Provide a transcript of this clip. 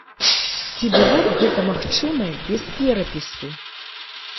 Ці было б гэта магчыма без перапісу?